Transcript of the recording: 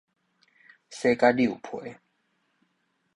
洗甲遛皮